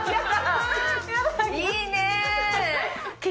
いいねー！